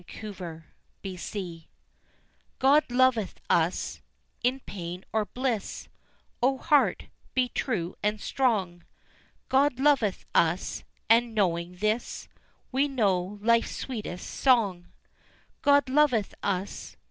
God Loveth Us God loveth us! in pain or bliss, O heart, be true and strong! God loveth us, and knowing this We know life's sweetest song. God loveth us!